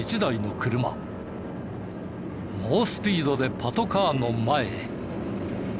猛スピードでパトカーの前へ。